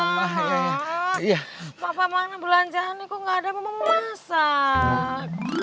bapak mana belanjaan nih kok gak ada memasak